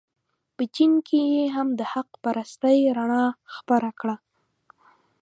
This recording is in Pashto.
په چین کې یې هم د حق پرستۍ رڼا خپره کړه.